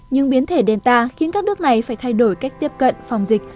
nhưng biến thể delta khiến các nước này phải thay đổi cách tiếp cận phòng dịch